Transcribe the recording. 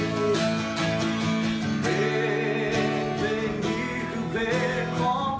เพลงเพลงนี้คือเพลงของพ่อ